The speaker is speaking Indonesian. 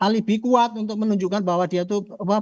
alibi kuat untuk menunjukkan bahwa dia itu